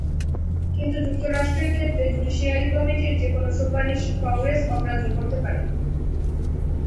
কিন্তু যুক্তরাষ্ট্রের ক্ষেত্রে জুডিশিয়ারি কমিটির যেকোনো সুপারিশ কংগ্রেস অগ্রাহ্য করতে পারে।